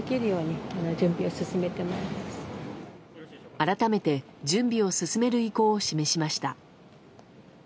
改めて準備を進める意向を示しました。